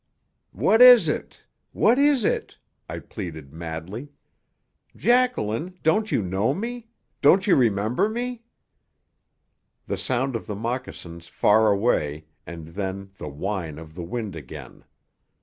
"What is it? What is it?" I pleaded madly. "Jacqueline, don't you know me? Don't you remember me?" The sound of the moccasins far away, and then the whine of the wind again.